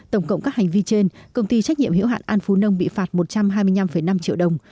tổng cộng các hành vi trên công ty trách nhiệm hiệu hạn an phú nông bị phạt một trăm hai mươi năm năm triệu đồng